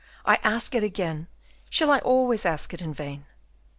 I ask it again: shall I always ask it in vain?"